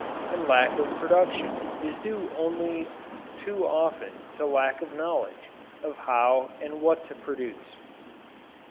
And lack of production is due only too often to lack of knowledge of how and what to produce.